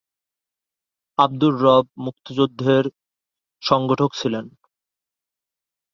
আবদুর রব মুক্তিযুদ্ধের সংগঠক ছিলেন।